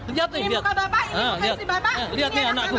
ini muka bapak ini muka si bapak ini anakku